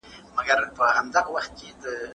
بهرنۍ پالیسي د سولي ارزښت نه کموي.